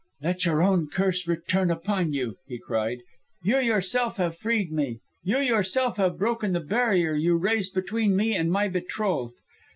"Let your own curse return upon you," he cried. "You yourself have freed me; you yourself have broken the barrier you raised between me and my betrothed.